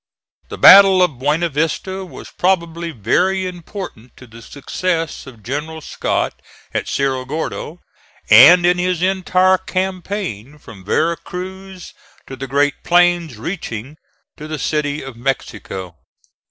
The battle of Buena Vista was probably very important to the success of General Scott at Cerro Gordo and in his entire campaign from Vera Cruz to the great plains reaching to the City of Mexico.